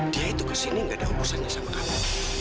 dia itu kesini nggak ada urusannya sama kamu